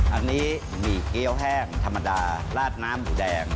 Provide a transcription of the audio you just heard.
อันนี้หมี่เกี้ยวแห้งธรรมดาราดน้ำหมูแดง